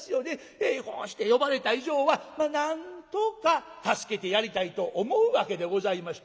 こうして呼ばれた以上はなんとか助けてやりたいと思うわけでございましてね。